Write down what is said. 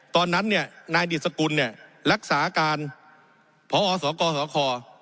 ตอนนั้นเนี่ยนายดิสกุลเนี่ยรักษาการพอสกสค